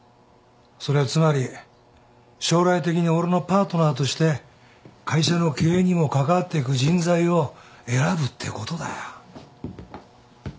それはつまり将来的に俺のパートナーとして会社の経営にもかかわっていく人材を選ぶってことだよ。